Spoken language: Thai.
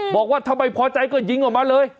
บอกว่าถ้าไม่พอใจก็ยิงออกมาเลย